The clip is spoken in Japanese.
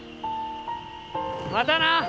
またな！